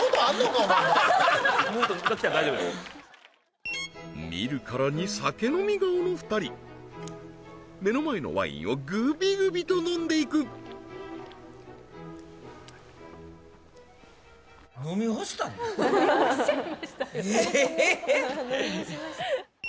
お前見るからに酒飲み顔の２人目の前のワインをグビグビと飲んでいく飲み干しちゃいましたよ